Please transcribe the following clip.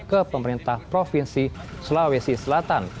ke pemerintah provinsi sulawesi selatan